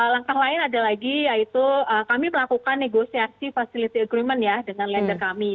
langkah lain ada lagi yaitu kami melakukan negosiasi facility agreement ya dengan lender kami